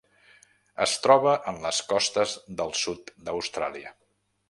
Es troba a les costes del sud d'Austràlia.